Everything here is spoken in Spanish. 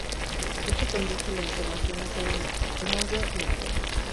Esto conduce la información a cada nodo en la red.